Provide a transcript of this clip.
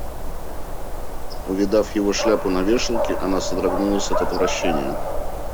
Увидав его шляпу на вешалке, она содрогнулась от отвращения.